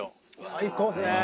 「最高ですね！」